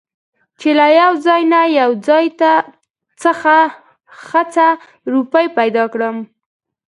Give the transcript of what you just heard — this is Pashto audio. چې له يوه ځاى نه يو ځاى خڅه روپۍ پېدا کړم .